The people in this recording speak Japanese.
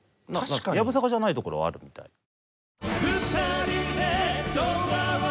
やぶさかじゃないところはあるみたい。